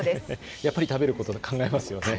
やっぱり食べることを考えますよね。